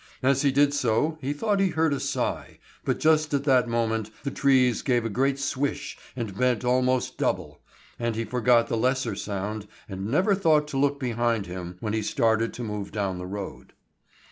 As he did so he thought he heard a sigh, but just at that moment the trees gave a great swish and bent almost double, and he forgot the lesser sound and never thought to look behind him when he started to move down the road.